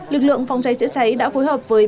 lực lượng phòng cháy chữa cháy đã phối hợp với